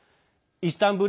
イスタンブール